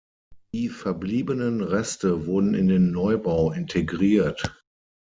Die verbliebenen Reste wurden in den Neubau integriert.